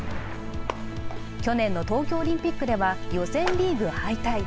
去年の東京オリンピックでは予選リーグ敗退。